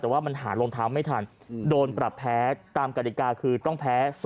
แต่ว่ามันหารองเท้าไม่ทันโดนปรับแพ้ตามกฎิกาคือต้องแพ้๒